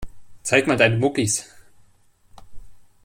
Zeig mal deine Muckis.